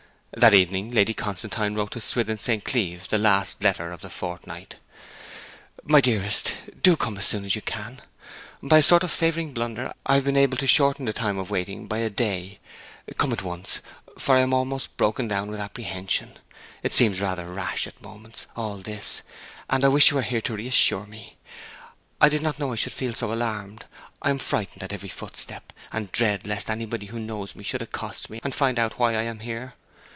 That evening Lady Constantine wrote to Swithin St. Cleeve the last letter of the fortnight: 'MY DEAREST, Do come to me as soon as you can. By a sort of favouring blunder I have been able to shorten the time of waiting by a day. Come at once, for I am almost broken down with apprehension. It seems rather rash at moments, all this, and I wish you were here to reassure me. I did not know I should feel so alarmed. I am frightened at every footstep, and dread lest anybody who knows me should accost me, and find out why I am here.